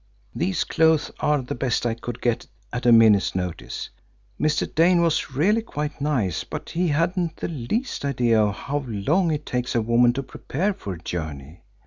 "These clothes are the best I could get at a minute's notice. Mr. Dane was really quite nice, but he hadn't the least idea how long it takes a woman to prepare for a journey.